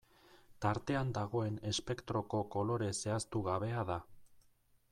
Tartean dagoen espektroko kolore zehaztu gabea da.